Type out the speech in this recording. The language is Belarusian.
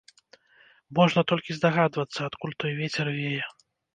Можна толькі здагадвацца, адкуль той вецер вее.